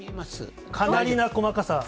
かなりな細かさ。